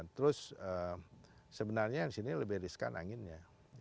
terus sebenarnya yang di sini lebih riskan anginnya